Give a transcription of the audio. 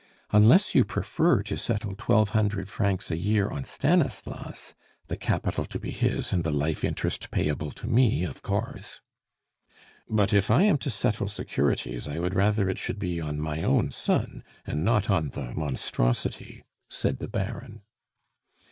Unless you prefer to settle twelve hundred francs a year on Stanislas the capital to be his, and the life interest payable to me, of course " "But if I am to settle securities, I would rather it should be on my own son, and not on the monstrosity," said the Baron.